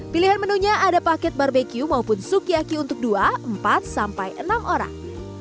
pilihan menunya ada paket barbeque maupun sukiyaki untuk dua empat sampai enam orang